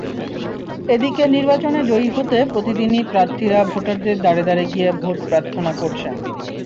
এদিকে নির্বাচনে জয়ী হতে প্রতিদিনই প্রার্থীরা ভোটারদের দ্বারে দ্বারে গিয়ে ভোট প্রার্থনা করছেন।